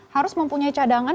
harus mempunyai cadangan